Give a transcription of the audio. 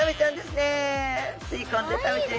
吸い込んで食べてる！